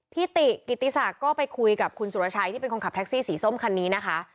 ติกิติศักดิ์ก็ไปคุยกับคุณสุรชัยที่เป็นคนขับแท็กซี่สีส้มคันนี้นะคะ